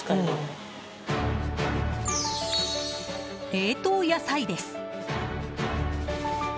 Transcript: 冷凍野菜です。